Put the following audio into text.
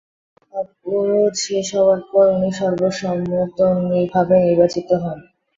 অবরোধ শেষ হওয়ার পর, উনি সর্বসম্মতভাবে নির্বাচিত হোন।